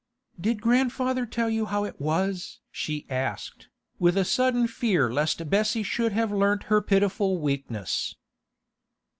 'Did grandfather tell you how it was?' she asked, with a sudden fear lest Bessie should have learnt her pitiful weakness.